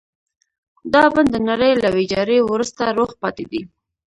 دا بڼ د نړۍ له ويجاړۍ وروسته روغ پاتې دی.